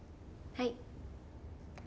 はい。